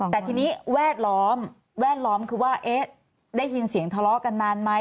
แต่ทีนี้แวดล้อมแวดล้อมคือว่าได้ยินเสียงทะเลาะกันนานไหม